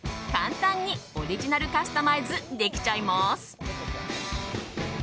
簡単にオリジナルカスタマイズできちゃいます。